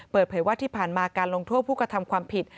เปิดเผยว่าที่ผ่านมาการลงโทษผู้กระทำความผิด